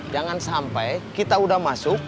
jangan sampai kita udah masuk